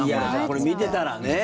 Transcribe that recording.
これ、見てたらね。